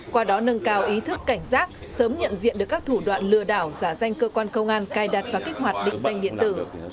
qua đó nâng cao ý thức cảnh giác sớm nhận diện được các thủ đoạn lừa đảo giả danh cơ quan công an cài đặt và kích hoạt định danh điện tử